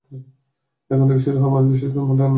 এখন থেকেই শুরু হবে আমাদের বিশেষত্ব, মডার্ন আর্ট।